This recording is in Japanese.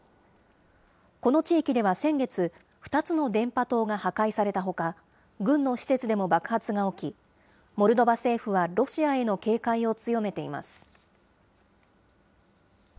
この地域では先月、２つの電波塔が破壊されたほか、軍の施設でも爆発が起き、モルドバ政府はロシアへの警戒を強めています。